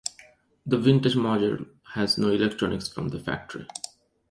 The vintage model has no electronics from the factory.